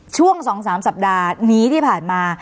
ช่วง๒๓สัปดาห์นี้ที่ผ่านมา